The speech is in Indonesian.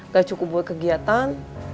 gak cukup buat kegiatan